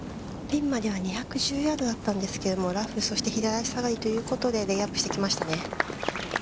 ピンまでは２１０ヤードだったんですけれども、ラフ、そして左足下がりということで、レイアップしてきましたね。